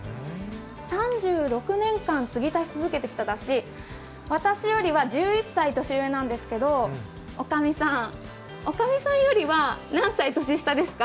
３６年間継ぎ足し続けてきた、だし私よりは１１歳年上なんですけど、おかみさんよりは何歳年下ですか？